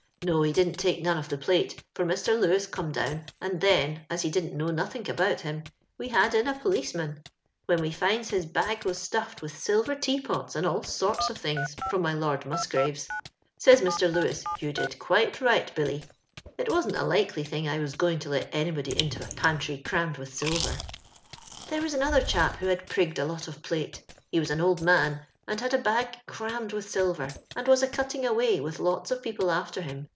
No, he didn't take none of the plate, for Mr. Lewis oome down, and then, as he didnt know nothink about him, we had in a pdioeman, when we finds his bag was staffed with silver tea pots and all sorts of things from my Lord Musgrave's. Says Mr. Lewis, •Tou did ^te light, Billy.' It wasn't a likely thing I waa gojnff to let anybody into a pantiy There was another chap who had mngged alotofplate. He was an old man, and had a hag eiammed with silver, and was a euttinff away, with lots of people after him.